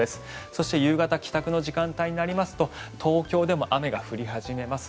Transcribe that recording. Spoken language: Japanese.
そして、夕方帰宅の時間帯になりますと東京でも雨が降り始めます。